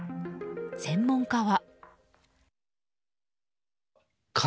専門家は。